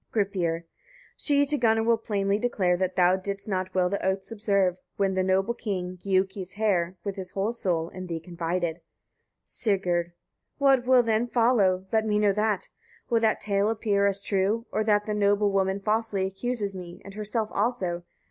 Gripir. 47. She to Gunnar will plainly declare, that thou didst not well the oaths observe, when the noble king, Giuki's heir, with his whole soul, in thee confided. Sigurd. 48. What will then follow? let me know that. Will that tale appear as true, or that the noble woman falsely accuses me, and herself also.